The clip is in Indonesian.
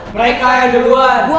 mereka yang mulai duluan